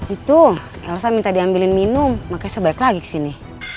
itu elsa minta diambilin minum makanya sebaik lagi kesini